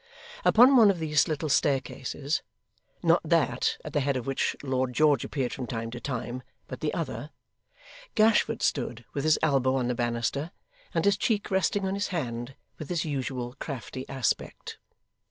Upon one of these little staircases not that at the head of which Lord George appeared from time to time, but the other Gashford stood with his elbow on the bannister, and his cheek resting on his hand, with his usual crafty aspect.